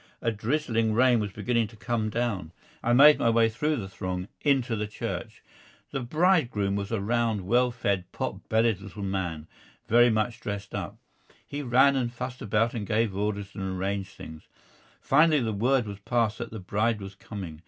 A drizzling rain was beginning to come down. I made my way through the throng into the church. The bridegroom was a round, well fed, pot bellied little man, very much dressed up. He ran and fussed about and gave orders and arranged things. Finally word was passed that the bride was coming.